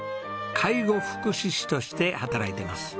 介護福祉士として働いています。